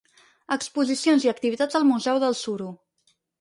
Exposicions i activitats al Museu del Suro.